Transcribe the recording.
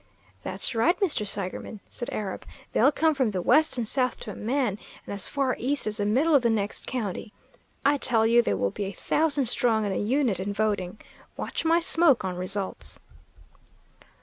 "That's right, Mr. Seigerman," said Arab. "They'll come from the west and south to a man, and as far east as the middle of the next county. I tell you they will be a thousand strong and a unit in voting. Watch my smoke on results!"